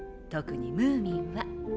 特にムーミンは。